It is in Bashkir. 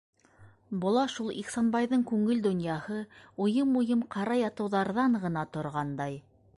Бола шул Ихсанбайҙың күңел донъяһы, уйым- уйым ҡара ятыуҙарҙан ғына торғандай.